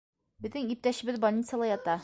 - Беҙҙең иптәшебеҙ больницала ята.